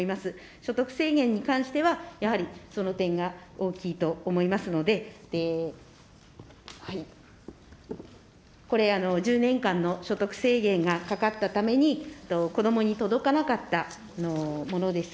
所得制限に関してはやはりその点が大きいと思いますので、これ、１０年間の所得制限がかかったために、子どもに届かなかったものです。